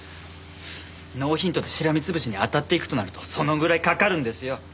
ノーヒントでしらみ潰しに当たっていくとなるとそのぐらいかかるんですよ。